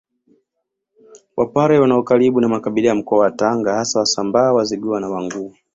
Wapare wana ukaribu na makabila ya Mkoa wa Tanga hasa Wasambaa Wazigua na Wanguu